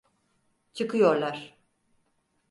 Çıkıyorlar.